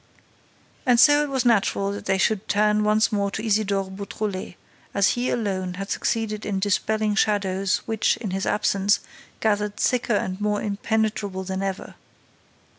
And so it was natural that they should turn once more to Isidore Beautrelet, as he alone had succeeded in dispelling shadows which, in his absence, gathered thicker and more impenetrable than ever.